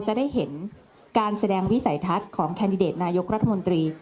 จึงรูปลงคิดเป็นแคณดิเดตนายกรัฐมนธรี